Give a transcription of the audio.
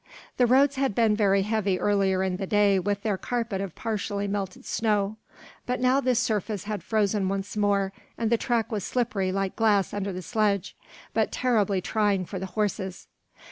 The roads had been very heavy earlier in the day with their carpet of partially melted snow, but now this surface had frozen once more and the track was slippery like glass under the sledge, but terribly trying for the horses.